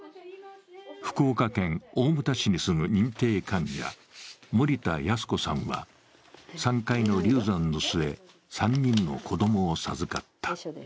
福岡県大牟田市に住む認定患者、森田安子さんは３回の流産の末、３人の子供を授かった。